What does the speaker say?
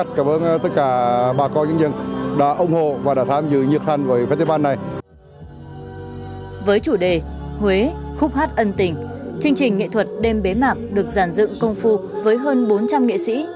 chương trình nghệ thuật đêm bế mạc được giàn dựng công phu với hơn bốn trăm linh nghệ sĩ